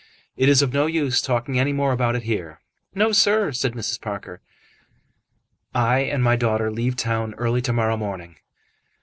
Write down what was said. "It is of no use talking any more about it here." "No, sir," said Mrs. Parker. "I and my daughter leave town early to morrow morning."